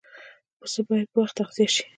پسه باید په وخت تغذیه شي.